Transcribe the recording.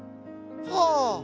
はあ。